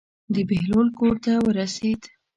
د بهلول کور ته ورسېد.